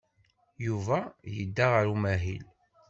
Yuba yedda ɣer umahil.